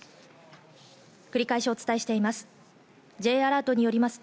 繰り返しお伝えしています。